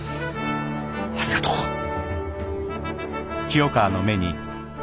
ありがとう。